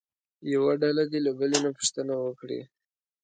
یوه ډله دې له بلې نه پوښتنې وکړي.